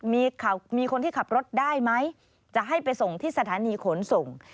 มีคนที่ขับรถได้ไหมจะให้ไปส่งที่สถานีขนส่ง